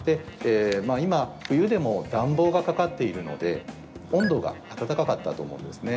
今、冬でも暖房がかかっているので温度が暖かかったと思うんですね。